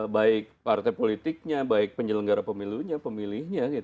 baik partai politiknya baik penyelenggara pemilunya pemilihnya